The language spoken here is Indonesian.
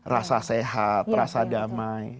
rasa sehat rasa damai